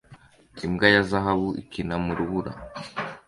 Imbwa ya zahabu ikina mu rubura